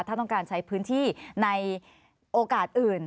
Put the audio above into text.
ถ้าต้องการใช้พื้นที่ในโอกาสอื่น